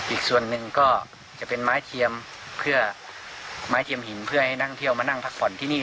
อีกส่วนหนึ่งก็จะเป็นไม้เทียมหินเพื่อให้นักท่องเที่ยวมานั่งพักผ่อนที่นี่